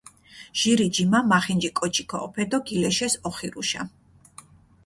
ჟირი ჯიმა მახინჯი კოჩი ქოჸოფე დო გილეშეს ოხირუშა.